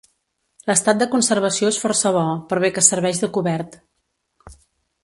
L'estat de conservació és força bo, per bé que serveix de cobert.